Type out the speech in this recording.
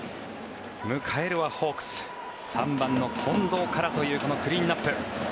迎えるはホークス、３番の近藤からというこのクリーンアップ。